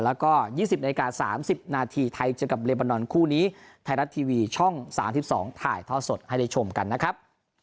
แล้วก็๒๐นาที๓๐นาทีไทยเจอกับเลบานอนคู่นี้ไทยรัฐทีวีช่อง๓๒ถ่ายท่อสดให้ได้ชมกันนะครับ